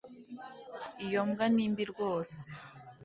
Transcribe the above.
iyo mbwa ni mbi rwose